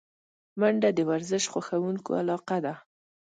منډه د ورزش خوښونکو علاقه ده